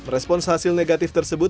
respon hasil negatif tersebut